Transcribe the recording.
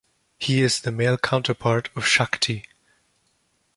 He is the male counterpart of Shakti.